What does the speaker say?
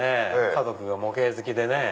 家族が模型好きでね。